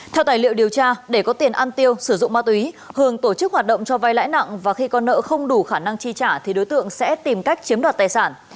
theo tài liệu điều tra để có tiền ăn tiêu sử dụng ma túy hường tổ chức hoạt động cho vai lãi nặng và khi con nợ không đủ khả năng chi trả thì đối tượng sẽ tìm cách chiếm đoạt tài sản